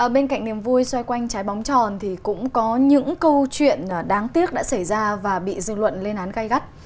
bên cạnh niềm vui xoay quanh trái bóng tròn thì cũng có những câu chuyện đáng tiếc đã xảy ra và bị dư luận lên án gai gắt